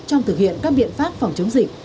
trong thực hiện các biện pháp phòng chống dịch